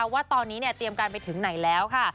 ว่าตอนนี้เตรียมการไปถึงไหนแล้วค่ะ